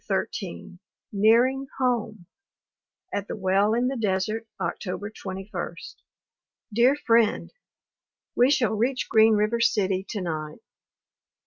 XIII NEARING HOME AT THE WELL IN THE DESERT, October 21. DEAR FRIEND, We shall reach Green River City to night.